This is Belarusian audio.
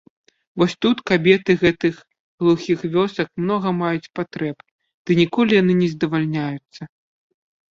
Вось тут кабеты гэтых глухіх вёсак многа маюць патрэб, ды ніколі яны не здавальняюцца.